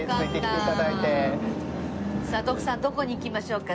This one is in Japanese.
さあ徳さんどこに行きましょうか？